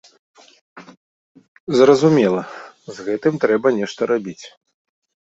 Зразумела, з гэтым трэба нешта рабіць.